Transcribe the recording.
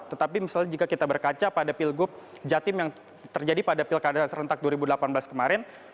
tetapi misalnya jika kita berkaca pada pilgub jatim yang terjadi pada pilkada serentak dua ribu delapan belas kemarin